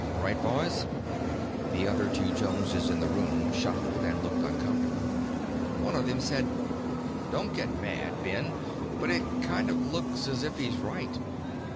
"Right, boys?" The other two Joneses in the room shuffled and looked uncomfortable. One of them said, "Don't get mad, Ben, but it kind of looks as if he's right.